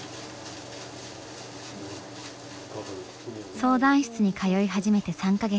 相談室に通い始めて３か月。